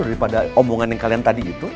daripada omongan yang kalian tadi itu